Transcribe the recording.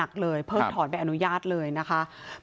นักเลยเพิ่มถอดไปอนุญาตเลยนะคะ